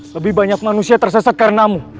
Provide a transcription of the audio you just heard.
lebih banyak manusia tersesat karenamu